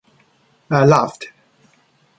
I laughed.